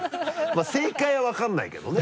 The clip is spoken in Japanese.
まぁ正解は分からないけどね。